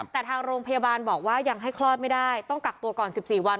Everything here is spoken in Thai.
แต่ทางโรงพยาบาลบอกว่ายังให้คลอดไม่ได้ต้องกักตัวก่อน๑๔วัน